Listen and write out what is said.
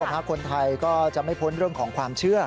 ถ้าคนไทยก็จะไม่พ้นเรื่องของความเชื่อ